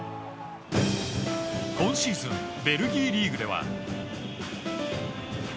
今シーズンベルギーリーグでは。